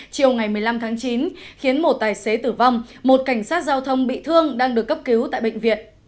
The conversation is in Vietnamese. chiều ngày một mươi năm tháng chín khiến một tài xế tử vong một cảnh sát giao thông bị thương đang được cấp cứu tại bệnh viện